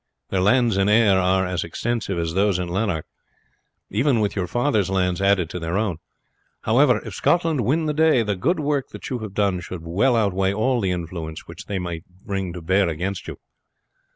Their lands in Ayr are as extensive as those in Lanark, even with your father's lands added to their own. However, if Scotland win the day the good work that you have done should well outweigh all the influence which they might bring to bear against you.